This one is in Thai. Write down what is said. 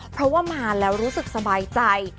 เพราะว่ามาแล้วรู้สึกสบายใจ